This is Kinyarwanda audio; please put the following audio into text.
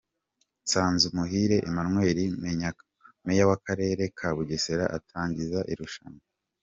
Nsanzumuhire Emmanuel Meya w'Akarere ka Bugesera atangiza irushanwa.